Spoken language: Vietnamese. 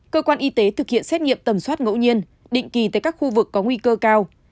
cơ quan y tế thực hiện xét nghiệm tầm soát ngẫu nhiên định kỳ tới các khu vực có nguy cơ cao